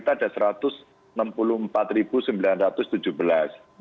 target sasaran vaksinasi kita adalah satu ratus enam puluh empat sembilan ratus tujuh belas